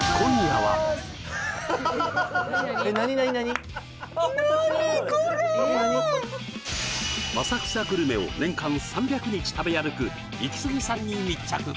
ハハハハ浅草グルメを年間３００日食べ歩くイキスギさんに密着！